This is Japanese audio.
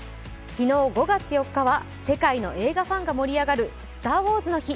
昨日５月４日は世界の映画ファンが盛り上がる、スター・ウォーズの日。